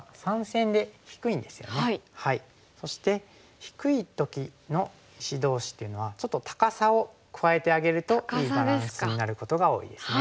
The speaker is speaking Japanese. そして低い時の石同士っていうのはちょっと高さを加えてあげるといいバランスになることが多いですね。